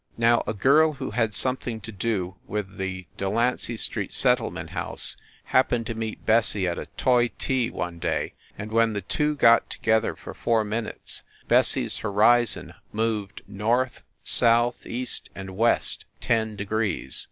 Now a girl who had something to do with the Delancy Street settlement house happened to meet Bessie at a toy tea one day, and when the two got together for four minutes Bessie s horizon moved north, south, east and west ten degrees.